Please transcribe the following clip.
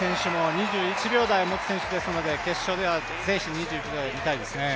２１秒台を持つ選手ですので、決勝ではぜひ２１秒台見たいですね。